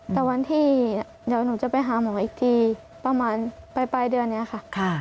แต่วันที่เดี๋ยวหนูจะไปหาหมออีกทีประมาณปลายเดือนนี้ค่ะ